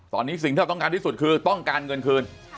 ตอนนี้สิ่งที่เธอต้องการที่สุดคือต้องการเงินคืน